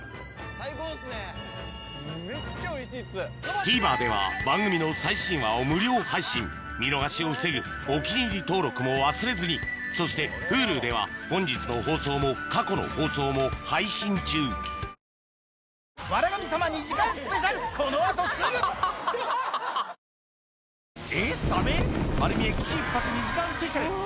ＴＶｅｒでは番組の最新話を無料配信見逃しを防ぐ「お気に入り」登録も忘れずにそしてＨｕｌｕでは本日の放送も過去の放送も配信中納期は２週間後あぁ！！